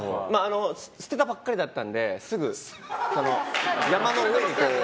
捨てたばっかりだったのですぐ、山の上に。